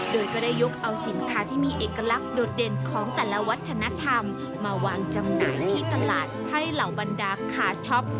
โดยก็ได้ยกเอาสินค้าที่มีเอกลักษณ์โดดเด่นของแต่ละวัฒนธรรมมาวางจำหน่ายที่ตลาดให้เหล่าบรรดาคาช็อป